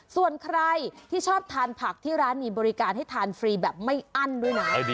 ส่วนใครที่ชอบทานผักที่ร้านมีบริการให้ทานฟรีแบบไม่อั้นด้วยนะ